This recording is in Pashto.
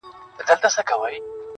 وي دردونه په سيــــنـــــوكـــــــــي.